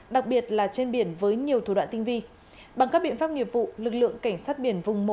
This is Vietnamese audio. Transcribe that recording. đặc biệt là trên biển với nhiều thủ đoạn tinh vi bằng các biện pháp nghiệp vụ lực lượng cảnh sát biển vùng một